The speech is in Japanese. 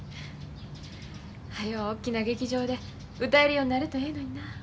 はよう大きな劇場で歌えるようになるとええのにな。